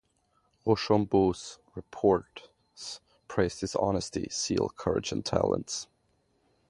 Rouchambeau's reports praised his honesty, zeal, courage and talents.